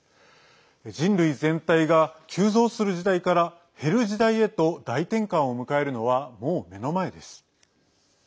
人類全体が急増する時代から減る時代へと大転換を迎えるのはもう目の前です。